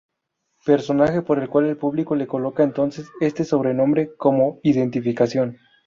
Personaje por el cual el público le coloca entonces este sobrenombre, como identificación.